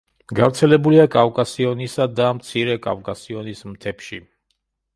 გავრცელებულია კავკასიონისა და მცირე კავკასიონის მთებში.